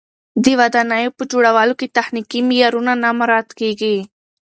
د ودانیو په جوړولو کې تخنیکي معیارونه نه مراعت کېږي.